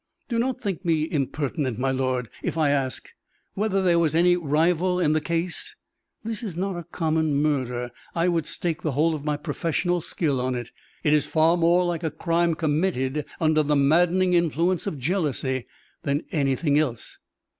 "Do not think me impertinent, my lord, if I ask whether there was any rival in the case? This is not a common murder I would stake the whole of my professional skill on it. It is far more like a crime committed under the maddening influence of jealousy than anything else."